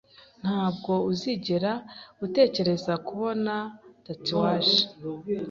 Ntabwo uzigera utekereza kubona tatouage?